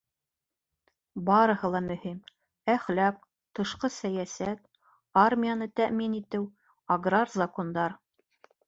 Барығы ла мөһим: әхлаҡ, тышҡы сәйәсәт, армияны тәьмин итеү, аграр закондар.